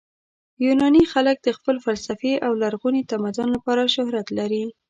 یوناني خلک د خپل فلسفې او لرغوني تمدن لپاره شهرت لري.